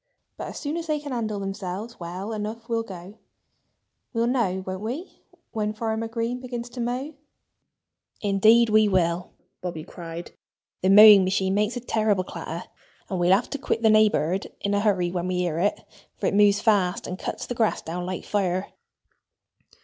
"But as soon as they can handle themselves well enough we'll go. We'll know won't we when Farmer Green begins to mow?" "Indeed we will!" Bobby cried. "The mowing machine makes a terrible clatter. And we'll have to quit the neighborhood in a hurry when we hear it, for it moves fast, and cuts the grass down like fire."